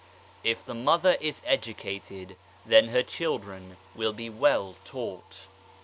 If the Mother is educated then her children will be well taught.